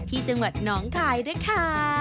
ที่จังหวัดน้องคายด้วยค่ะ